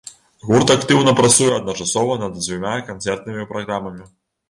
Гурт актыўна працуе адначасова над дзвюма канцэртнымі праграмамі.